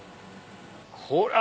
ほら。